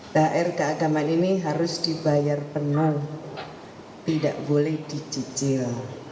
thr keagamaan ini harus dibayar penuh tidak boleh dicicil